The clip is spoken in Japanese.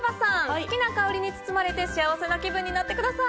好きな香りに包まれて幸せな気分になってください。